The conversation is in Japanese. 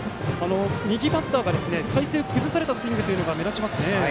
右バッターが体勢を崩されたスイングが目立ちます。